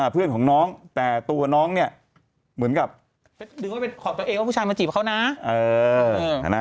เพื่อนของน้องแต่ตัวน้องเนี่ยเหมือนกับดึงว่าไปขอบตัวเองว่าผู้ชายมาจีบเขานะ